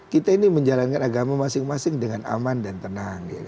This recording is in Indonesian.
kita ini menjalankan agama masing masing dengan aman dan tenang